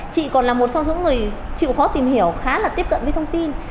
chị còn là một trong những người chịu khó tìm hiểu khá là tiếp cận với thông tin